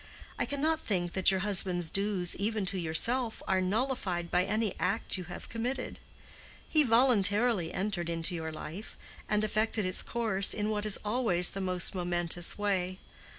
I cannot think that your husband's dues even to yourself are nullified by any act you have committed. He voluntarily entered into your life, and affected its course in what is always the most momentous way.